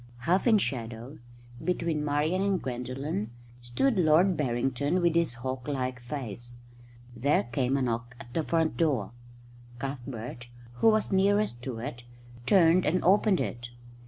Half in shadow, between Marian and Gwendolen, stood Lord Barrington with his hawk like face. There came a knock at the front door. Cuthbert, who was nearest to it, turned and opened it.